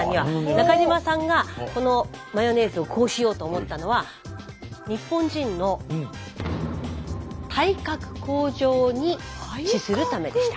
中島さんがこのマヨネーズをこうしようと思ったのは日本人の資するためでした。